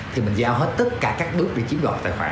thì mình giao hết tất cả các bước để chiếm đoạt tài khoản